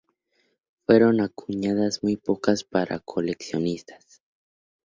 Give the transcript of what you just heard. Fueron acuñadas muy pocas, para coleccionistas.